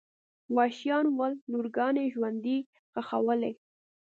وحشیان ول لورګانې ژوندۍ ښخولې.